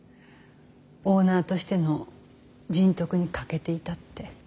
オーナーとしての人徳に欠けていたって。